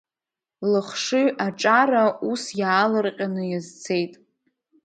Лыхшыҩ аҿара ус иаалырҟьаны иазцеит.